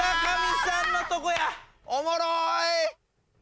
おもろい！